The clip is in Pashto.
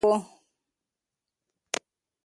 سعید ته د کلا د برجونو لوړوالی حیرانونکی و.